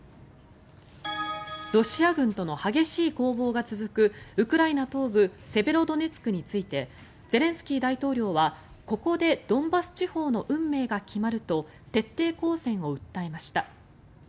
ロシア軍との激しい攻防が続くウクライナ東部セベロドネツクについてゼレンスキー大統領はここでドンバス地方の運命が決まると徹底抗戦を訴えました。